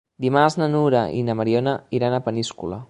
Dimarts na Nura i na Mariona iran a Peníscola.